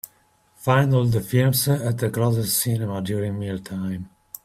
Find all the films at the closestcinema during meal time.